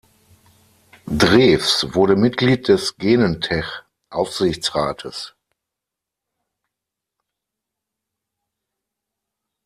Drews wurde Mitglied des Genentech Aufsichtsrates.